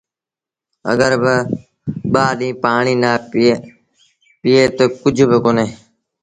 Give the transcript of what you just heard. اَگر ٻآ ڏيٚݩهݩ پآڻيٚ نا پيٚئي تا ڪجھ با ڪونهي۔